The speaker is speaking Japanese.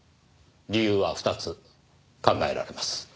理由は二つ考えられます。